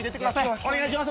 お願いします